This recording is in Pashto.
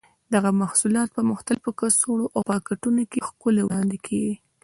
دغه محصولات په مختلفو کڅوړو او پاکټونو کې ښکلي وړاندې کېږي.